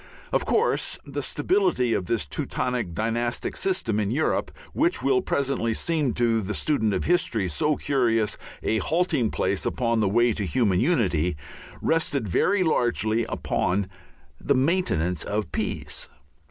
Of course the stability of this Teutonic dynastic system in Europe which will presently seem to the student of history so curious a halting place upon the way to human unity rested very largely upon the maintenance of peace.